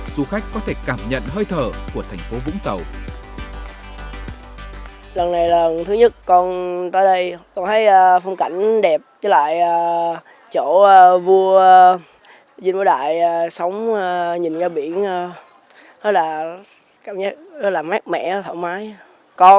du khách có thể cảm nhận hơi thở